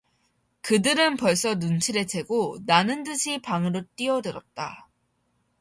그들은 벌써 눈치를 채고 나는 듯이 방으로 뛰어들었다.